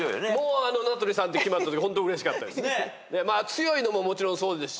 強いのももちろんそうですし。